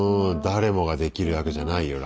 誰もができる役じゃないよ